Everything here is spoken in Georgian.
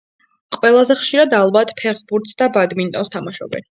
ყველაზე ხშირად, ალბათ, ფეხბურთს და ბადმინტონს თამაშობენ